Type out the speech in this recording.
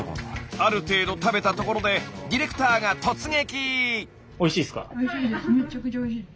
ある程度食べたところでディレクターが突撃！